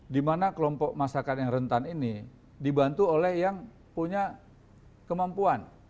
di mana kelompok masakan yang rentan ini dibantu oleh yang punya kemampuan